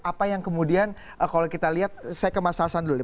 apa yang kemudian kalau kita lihat saya ke mas hasan dulu